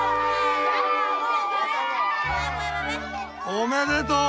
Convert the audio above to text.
おめでとう！